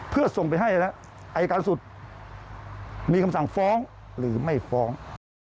เพื่อส่งไปให้แล้วอายการสุดมีคำสั่งฟ้องหรือไม่ฟ้อง